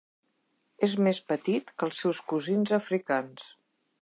És més petit que els seus cosins africans.